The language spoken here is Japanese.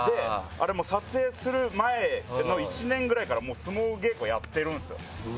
撮影する前の１年くらいから相撲稽古やってるんっすよ。